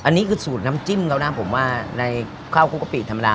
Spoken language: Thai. อันนี้คือสูตรน้ำจิ้มแล้วนะผมว่าในข้าวคุกกะปิธรรมดา